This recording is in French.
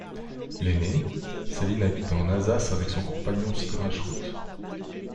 L'ainée, Céline habite en Alsace avec son compagnon Sylvain Schrutt.